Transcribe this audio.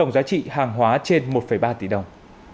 giá trị hàng hóa trên một ba tỷ đồng